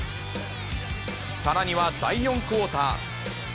さらには第４クオーター。